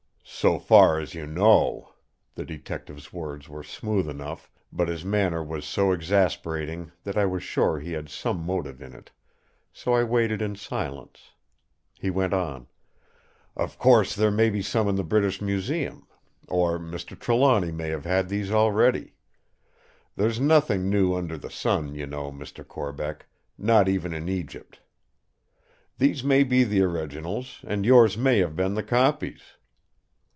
"So far as you know!" The Detective's words were smooth enough, but his manner was so exasperating that I was sure he had some motive in it; so I waited in silence. He went on: "Of course there may be some in the British Museum; or Mr. Trelawny may have had these already. There's nothing new under the sun, you know, Mr. Corbeck; not even in Egypt. These may be the originals, and yours may have been the copies.